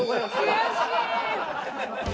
悔しい。